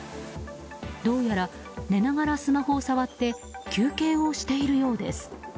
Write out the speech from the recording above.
どうやら寝ながらスマホを触って休憩をしているようです。